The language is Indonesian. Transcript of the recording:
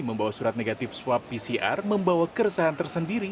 membawa surat negatif swab pcr membawa keresahan tersendiri